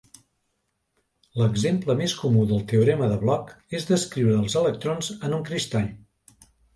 L'exemple més comú del teorema de Bloch és descriure els electrons en un cristall.